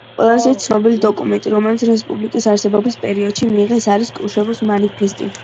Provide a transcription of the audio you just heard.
ყველაზე ცნობილი დოკუმენტი, რომელიც რესპუბლიკის არსებობის პერიოდში მიიღეს არის კრუშევოს მანიფესტი.